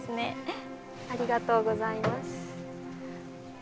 ありがとうございます。